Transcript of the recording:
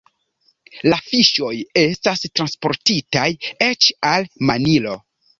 La fiŝoj estas transportitaj eĉ al Manilo.